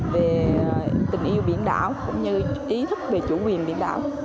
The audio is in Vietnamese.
về tình yêu biển đảo cũng như ý thức về chủ quyền biển đảo